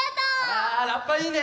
わラッパいいね。